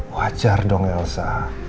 wajar dong elsa